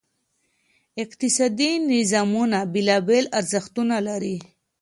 اقتصادي نظامونه بېلابېل ارزښتونه لري.